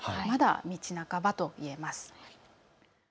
まだ道半ばといえます。